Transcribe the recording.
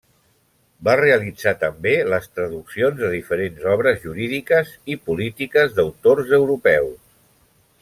Va realitzar també les traduccions de diferents obres jurídiques i polítiques d'autors europeus.